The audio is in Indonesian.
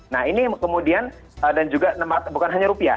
nah ini kemudian dan juga bukan hanya rupiah